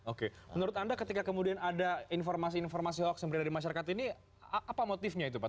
oke menurut anda ketika kemudian ada informasi informasi hoax yang berada di masyarakat ini apa motifnya itu pak